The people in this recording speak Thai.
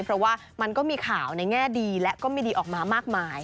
เพราะว่ามันก็มีข่าวในแง่ดีและก็ไม่ดีออกมามากมาย